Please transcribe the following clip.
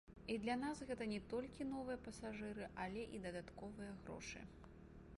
І для нас гэта не толькі новыя пасажыры, але і дадатковыя грошы.